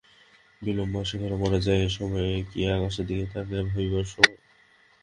বিল্বন আসিয়া কহিলেন, মহারাজ, এ সময় কি আকাশের দিকে তাকাইয়া ভাবিবার সময়।